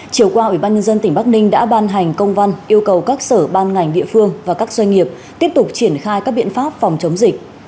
chiều qua ủy ban nhân dân tỉnh bắc ninh đã ban hành công văn yêu cầu các sở ban ngành địa phương và các doanh nghiệp tiếp tục triển khai các biện pháp phòng chống dịch